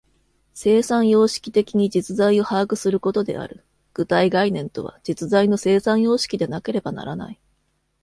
生産様式的に実在を把握することである。具体概念とは、実在の生産様式でなければならない。